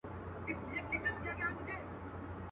له ګنجي سره را ستون تر خپل دوکان سو.